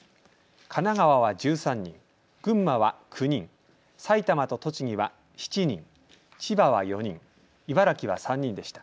神奈川は１３人、群馬は９人、埼玉と栃木は７人、千葉は４人、茨城は３人でした。